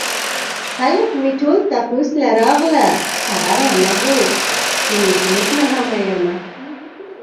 خلک مې ټول تپوس له راغله هغه رانغلو چې يې پروت له غمه يمه